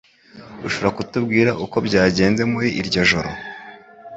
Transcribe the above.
Ushobora kutubwira uko byagenze muri iryo joro